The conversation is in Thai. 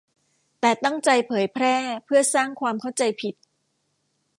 แต่ตั้งใจเผยแพร่เพื่อสร้างความเข้าใจผิด